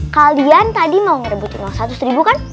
kalian tadi mau merebutin uang satu seribu kan